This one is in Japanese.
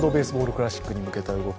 クラシックに向けた動き。